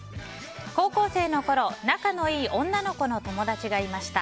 高校生のころ仲のいい女の子の友達がいました。